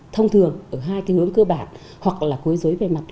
thông thường ở hai cái hướng cơ bản hoặc là quấy dối về mặt